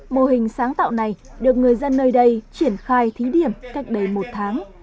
mô hình sáng tạo này được người dân nơi đây triển khai thí điểm cách đây một tháng